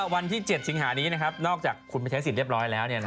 วันที่๗ชิงหานี้นะครับนอกจากคุณเพศสิบเรียบร้อยแล้ว